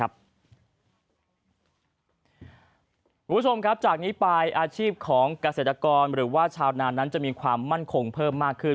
คุณผู้ชมครับจากนี้ไปอาชีพของเกษตรกรหรือว่าชาวนานนั้นจะมีความมั่นคงเพิ่มมากขึ้น